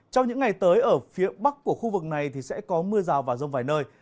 trong những ngày tới ở phía bắc của khu vực này thì sẽ có mưa rào và rông vài nơi